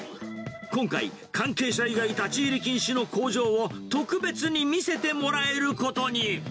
今回、関係者以外立ち入り禁止の工場を特別に見せてもらえることに。